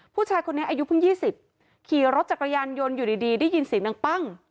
ผู้ชายคนนี้อายุเพิ่ง๒๐ขี่รถจักรยานยนต์อยู่ดีได้ยินเสียงดังปั้ง